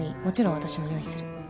もちろん私も用意する。